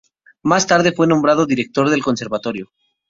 Más tarde fue nombrado director del conservatorio.